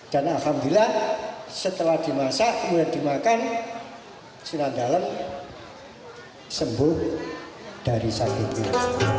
dan alhamdulillah setelah dimasak kemudian dimakan sinandalan sembuh dari sakitnya